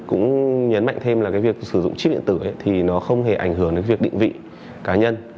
cũng nhấn mạnh thêm là cái việc sử dụng chip điện tử thì nó không hề ảnh hưởng đến việc định vị cá nhân